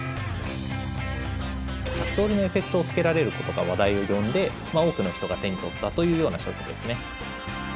１００通りのエフェクトをつけられることが話題を呼んで多くの人が手に取ったというような商品ですね。